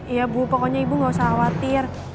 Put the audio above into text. ya bu pokoknya ibu gak usah khawatir